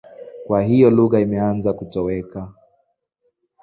Kwa hiyo lugha imeanza kutoweka.